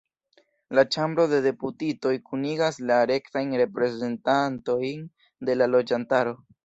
La Ĉambro de Deputitoj kunigas la rektajn reprezentantojn de la loĝantaro.